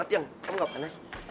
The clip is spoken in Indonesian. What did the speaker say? cepet yang kamu gak panas